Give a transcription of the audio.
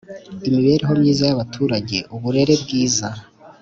Imibereho myiza y abaturage Uburere bwiza